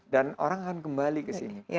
dan orang akan kembali ke sini